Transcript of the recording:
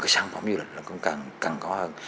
sản phẩm du lịch cũng càng càng có hơn